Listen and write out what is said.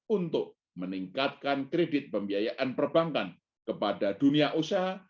untuk meningkatkan kredit pembiayaan perbankan kepada dunia usaha